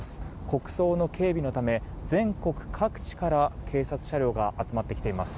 国葬の警備のため全国各地から警察車両が集まってきています。